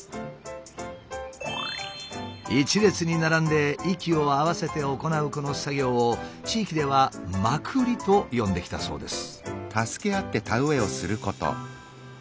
一列に並んで息を合わせて行うこの作業を地域では「まくり」と呼んできたそうです。